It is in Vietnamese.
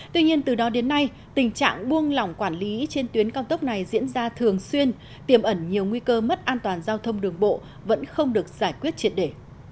tuy nhiên từ đó đến nay tình trạng buông lỏng quản lý trên tuyến cao tốc này diễn ra thường xuyên tiềm ẩn nhiều nguy cơ mất an toàn giao thông đường bộ vẫn không được giải quyết triệt để